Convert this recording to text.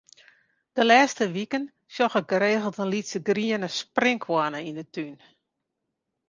De lêste wiken sjoch ik geregeld in lytse griene sprinkhoanne yn 'e tún.